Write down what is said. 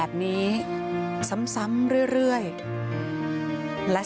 คุณผู้ชมค่ะคุณผู้ชมค่ะ